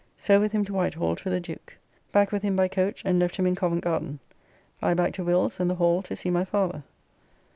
So with him to Whitehall to the Duke. Back with him by coach and left him in Covent Garden. I back to Will's and the Hall to see my father.